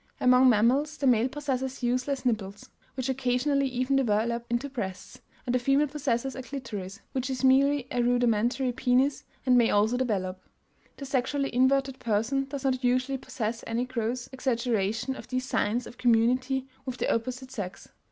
Among mammals the male possesses useless nipples, which occasionally even develop into breasts, and the female possesses a clitoris, which is merely a rudimentary penis, and may also develop. The sexually inverted person does not usually possess any gross exaggeration of these signs of community with the opposite sex.